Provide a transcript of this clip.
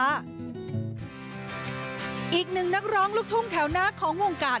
อีกหนึ่งนักร้องลูกทุ่งแถวหน้าของวงการ